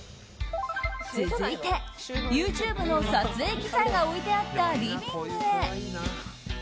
続いて、ＹｏｕＴｕｂｅの撮影機材が置いてあったリビングへ。